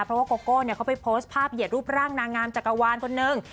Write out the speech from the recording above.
เพราะว่าโกโก้เขาไปโพสต์ภาพเหยียดรูปร่างนางงามจักรวาลคนนึง